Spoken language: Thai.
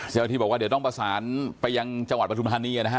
เจ้าที่บอกว่าเดี๋ยวต้องประสานไปยังจังหวัดปฐุมธานีนะฮะ